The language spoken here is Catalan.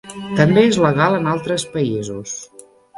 També és legal en altres països.